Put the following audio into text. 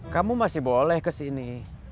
kamu masih boleh ke sini